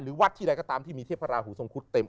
หรือวัดที่อะไรก็ตามที่มีเทพราหูทรงคุศเต็ม